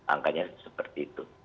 angkanya seperti itu